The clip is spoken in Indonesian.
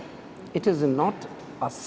ini bukan hal yang sederhana